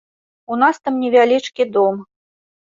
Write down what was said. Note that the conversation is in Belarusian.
У нас там невялічкі дом.